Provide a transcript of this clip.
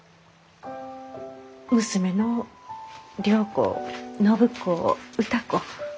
娘の良子暢子歌子。